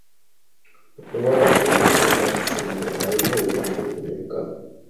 Omuwala eyasinga mu ssomero alina obubonero bumeka?